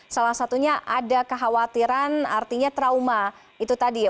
salah satunya ada kekhawatiran artinya trauma itu tadi ya